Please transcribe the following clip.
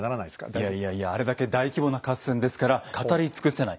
いやいやいやあれだけ大規模な合戦ですから語り尽くせない。